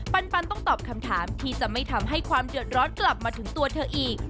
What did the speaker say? ปันต้องตอบคำถามที่จะไม่ทำให้ความเดือดร้อนกลับมาถึงตัวเธออีก